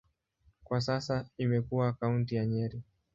Kwa sasa imekuwa kaunti ya Nyeri.